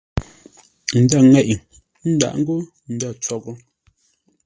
Ndə̂ ŋeʼe, ə́ ndâʼ ngô ndə̂ tsoghʼə.